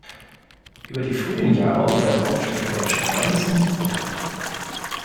Über die frühen Jahre und seinen Aufstieg im Deutschen Orden ist nichts bekannt.